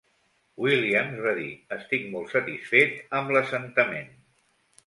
Williams va dir, estic molt satisfet amb l'assentament.